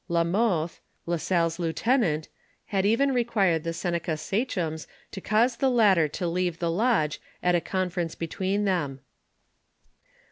La Mothe, La Salle's lieutenant, had even required the Seneca sachems to cause the latter to leave the lodge at a conference be tween them.